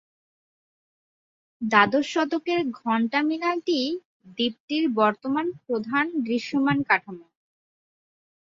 দ্বাদশ শতকের ঘণ্টা-মিনারটিই দ্বীপটির বর্তমান প্রধান দৃশ্যমান কাঠামো।